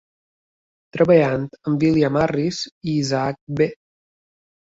Treballant amb William Harris i Isaac B.